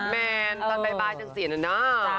แมนตันบ่ายจะเสียหน่อยนะ